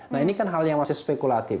nah ini kan hal yang masih spekulatif